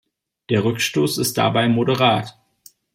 Der Rückstoß ist dabei moderat.